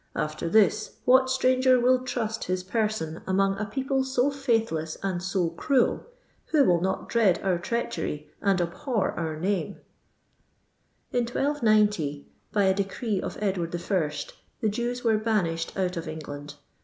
After this, what stranger will trust his person among a people to faithless and so cruel? who will not dread our treachery, and abhor our name V* In 1290, by n decree of Edward I., the Jews were banished out of England.